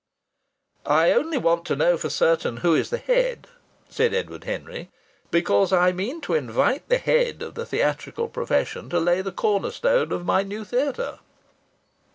"I only want to know for certain who is the head," said Edward Henry, "because I mean to invite the head of the theatrical profession to lay the corner stone of my new theatre."